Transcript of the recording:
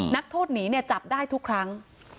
นักโทรชายหลบหนีจับได้ทุกครั้ง